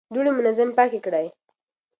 دوړې منظم پاکې کړئ.